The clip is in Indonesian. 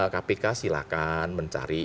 kpk silahkan mencari